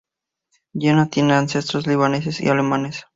Jenna tiene ancestros libaneses y alemanes.